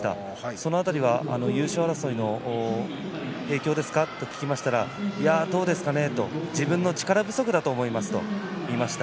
その辺りは優勝争いの影響ですか？と聞きましたらいやあ、どうですかねと自分の力不足だと思いますと言いました。